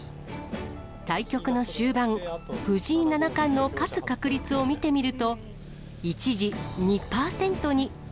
対局の終盤、藤井七冠の勝つ確率を見てみると、一時、２％に。